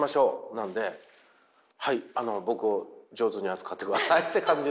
なんではい僕を上手に扱ってくださいって感じで。